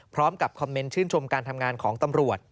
พร้อมกับคอมเมนต์ชื่นชมการทำงานของตำรวจ